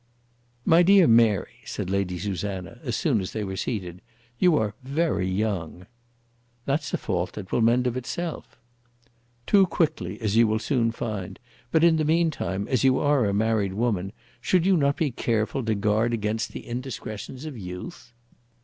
"My dear Mary," said Lady Susanna, as soon as they were seated, "you are very young." "That's a fault that will mend of itself." "Too quickly, as you will soon find; but in the meantime, as you are a married woman, should you not be careful to guard against the indiscretions of youth?"